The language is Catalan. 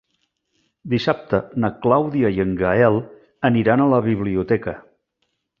Dissabte na Clàudia i en Gaël aniran a la biblioteca.